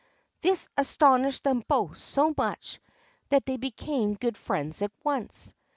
This astonished them both so much that they became good friends at once.